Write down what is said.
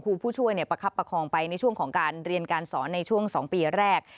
ผู้ช่วยประคับประคองไปในช่วงของการเรียนการสอนในช่วง๒ปีแรก